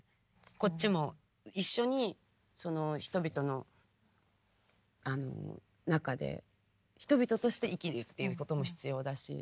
こっちも一緒にその人々の中で人々として生きるっていうことも必要だし。